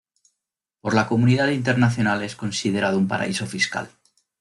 Por la comunidad internacional es considerado un paraíso fiscal.